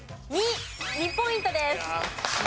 ２ポイントです。